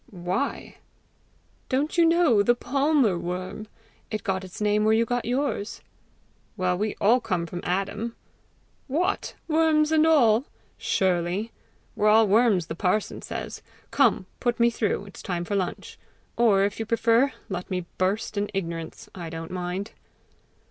"Why?" "Don't you know the palmer worm? It got its name where you got yours!" "Well, we all come from Adam!" "What! worms and all?" "Surely. We're all worms, the parson says. Come, put me through; it's time for lunch. Or, if you prefer, let me burst in ignorance. I don't mind."